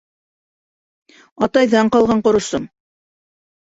Атайҙан ҡалған ҡоросом